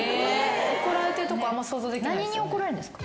何に怒られるんですか？